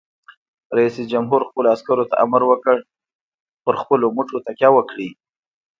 رئیس جمهور خپلو عسکرو ته امر وکړ؛ په خپلو مټو تکیه وکړئ!